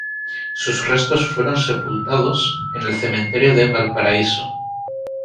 Sus restos fueron sepultados en el Cementerio de Valparaíso.